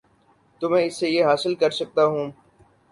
تو میں اس سے یہ حاصل کر سکتا ہوں۔